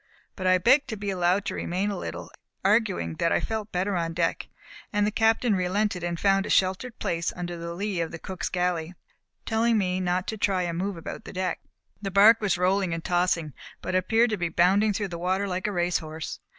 But I begged to be allowed to remain a little, arguing that I felt better on deck, and the Captain relented and found a sheltered place under the lee of the cook's galley, telling me not to try to move about the deck. The bark was rolling and tossing, but appeared to be bounding through the water like a race horse.